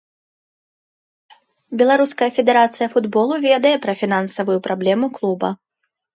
Беларуская федэрацыя футболу ведае пра фінансавую праблему клуба.